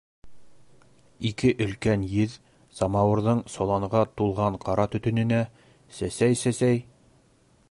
Ике өлкән еҙ самауырҙың соланға тулған ҡара төтөнөнә сәсәй-сәсәй: